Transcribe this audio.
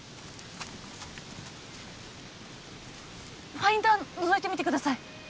ファインダーのぞいてみてください。